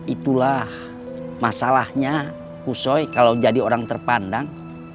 itulah masalahnya kushoy kalau jadi orang terpandang